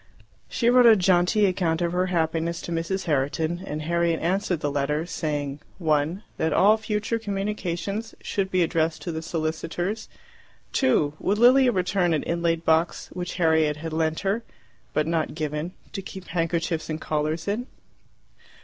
She wrote a jaunty account of her happiness to Mrs. Herriton, and Harriet answered the letter, saying (1) that all future communications should be addressed to the solicitors; (2) would Lilia return an inlaid box which Harriet had lent her but not given to keep handkerchiefs and collars in?